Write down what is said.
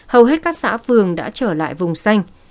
hầu hết các xã phường đã trở lại vùng xanh